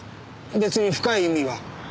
別に深い意味は。